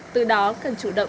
từ đó cần chủ động